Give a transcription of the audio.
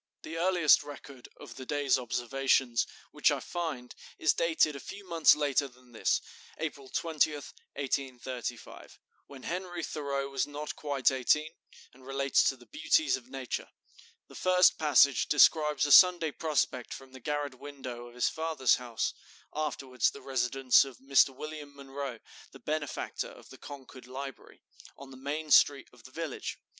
The earliest record of the day's observations which I find is dated a few months later than this (April 20, 1835), when Henry Thoreau was not quite eighteen, and relates to the beauties of nature. The first passage describes a Sunday prospect from the garret window of his father's house, (afterwards the residence of Mr. William Munroe, the benefactor of the Concord Library), on the main street of the village.